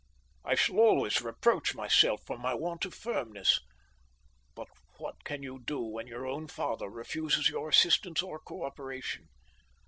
I shall always reproach myself for my want of firmness. But what can you do when your own father refuses your assistance or co operation?